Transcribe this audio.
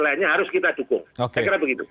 lainnya harus kita dukung saya kira begitu